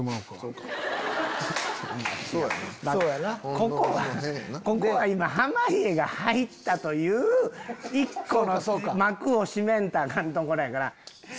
ここはここは今濱家が入ったという１個の幕を閉めんとアカンところやから。